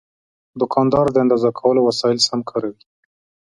دوکاندار د اندازه کولو وسایل سم کاروي.